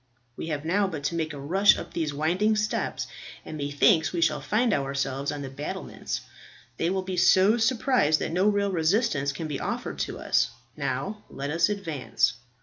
We have now but to make a rush up these winding steps, and methinks we shall find ourselves on the battlements. They will be so surprised, that no real resistance can be offered to us. Now let us advance."